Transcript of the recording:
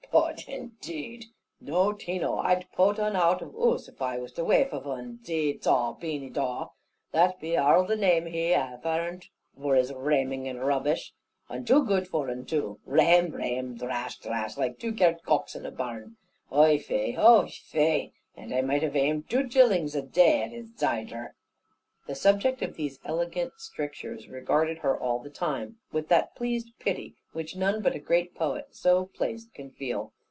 Pote[#] indeed! No tino, I'd pote un out of ouze if I was the waife of un. 'Zee zaw, Beany Dawe!' that be arl the name he hath airned vor his rhaiming and rubbish, and too good for 'un too! Rhaime, rhaime, drash, drash, like two girt gawks in a barn! Oh fai, oh fai; and a maight have aimed two zhillings a dai and his zider!" [#] "Pote." Danmonic for to "kick." The subject of these elegant strictures regarded her all the time, with that pleased pity which none but a great Poet so placed can feel.